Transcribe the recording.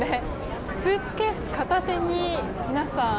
スーツケース片手に皆さん